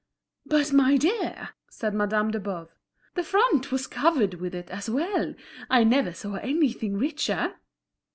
"But, my dear," said Madame de Boves, "the front was covered with it as well. I never saw anything richer."